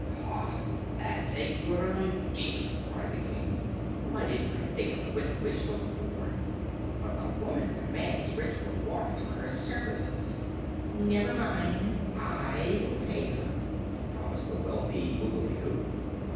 "Ha! that's a good idea," cried the King. "Why didn't I think of the Wicked Witch before? But the woman demands rich rewards for her services." "Never mind; I will pay her," promised the wealthy Googly Goo.